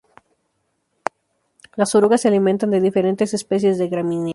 Las orugas se alimentan de diferentes especies de gramíneas.